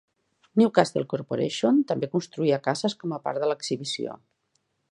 Newcastle Corporation també construïa cases com a part de l'exhibició.